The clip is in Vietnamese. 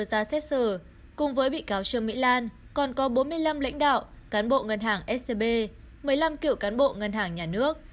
trường mỹ lan còn có bốn mươi năm lãnh đạo cán bộ ngân hàng scb một mươi năm cựu cán bộ ngân hàng nhà nước